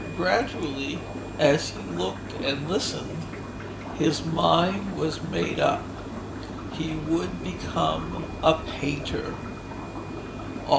Gradually, as he looked and listened, his mind was made up. He would become a painter.